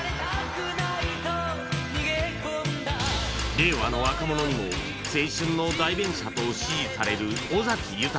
令和の若者にも「青春の代弁者」と支持される尾崎豊